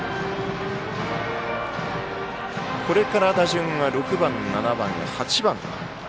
これから打順が６番、７番、８番。